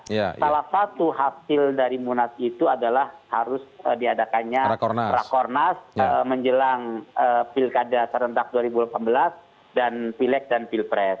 salah satu hasil dari munas itu adalah harus diadakannya rakornas menjelang pilkada serentak dua ribu delapan belas dan pileg dan pilpres